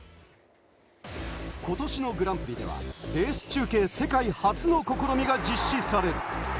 今年のグランプリではレース中継世界初の試みが実施される。